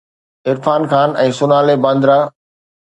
Irfan Khan ۽ Sonali Bandra